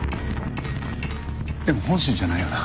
でも本心じゃないよな？